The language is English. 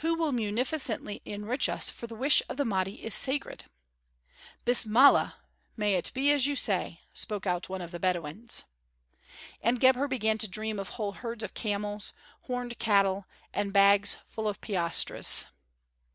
"Who will munificently enrich us, for the wish of the Mahdi is sacred." "Bismillah! May it be as you say!" spoke out one of the Bedouins. And Gebhr began to dream of whole herds of camels, horned cattle, and bags full of piastres.